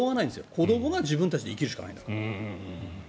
子どもが自分たちで生きるしかないんだから。